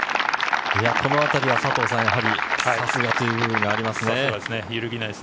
このあたりは佐藤さん、さすがという部分がありますね。